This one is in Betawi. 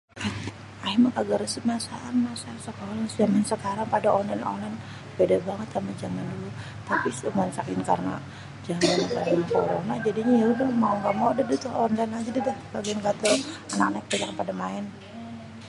ayè mah kaga rêsêp masaan masa sekolah jaman sekarang pada onlén-onlén beda banget ama jaman dulu.tapi cuman saking karena jaman korona-korona jadinya mau gak mau dah tuh onlén ajadah daripada anak-anak tu pada maén.